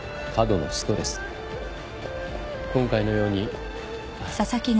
今回のように。